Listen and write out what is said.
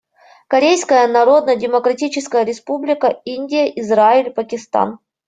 Корейская Народно-Демократическая Республика, Индия, Израиль, Пакистан.